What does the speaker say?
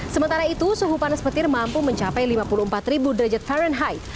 sementara itu suhu panas petir mampu mencapai lima puluh empat derajat fahrenheit